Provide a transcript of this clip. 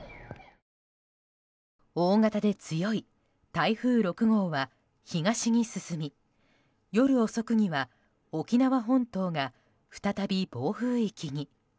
大型で強い台風６号は東に進み夜遅くには沖縄本島が再び暴風域に。